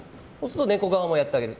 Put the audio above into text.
猫側もやってあげる。